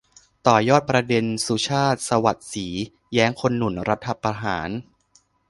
ต่อยอดประเด็น สุชาติ สวัสดิ์ศรี แย้งคนหนุนรัฐประหาร